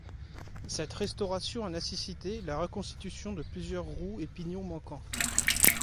Cette restauration a nécessité la reconstitution de plusieurs roues et pignons manquants.